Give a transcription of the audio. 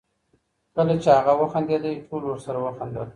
کله چي هغه وخندېدی، ټولو ورسره وخندل.